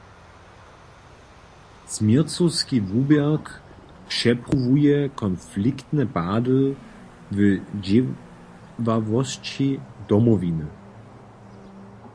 Změrcowski wuběrk přepruwuje konfliktne pady w dźěławosći Domowiny.